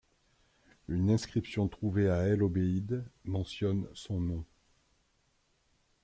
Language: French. Une inscription trouvée à El-Obeid mentionne son nom.